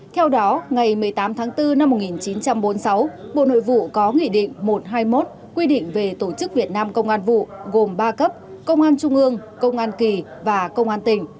theo đó ngày một mươi tám tháng bốn năm một nghìn chín trăm bốn mươi sáu bộ nội vụ có nghị định một trăm hai mươi một quy định về tổ chức việt nam công an vụ gồm ba cấp công an trung ương công an kỳ và công an tỉnh